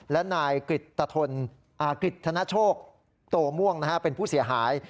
และนายกฤษธนโชคโตม่วงเป็นผู้เสียหาย